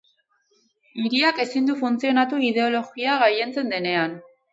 Hiriak ezin du funtzionatu ideologia gailentzen denean.